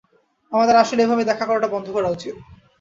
আমাদের আসলেই এভাবে দেখা করাটা বন্ধ করা উচিত।